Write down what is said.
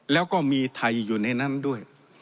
แล้วก็มีไทยอยู่ในนั้นด้วย